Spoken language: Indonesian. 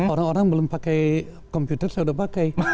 orang orang belum pakai komputer saya udah pakai